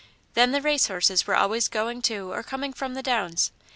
Then the race horses were always going to or coming from the downs.